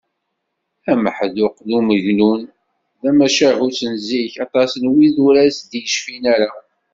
Ameḥduq d umegnun d tamacahut n zik, aṭas n wid ur as-d-yecfin ara